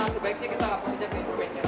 sebaiknya kita laporkan saja ke internetnya